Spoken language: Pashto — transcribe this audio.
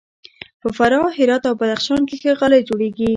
په فراه، هرات او بدخشان کې ښه غالۍ جوړیږي.